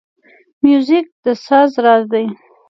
موزیک د ساز راز دی.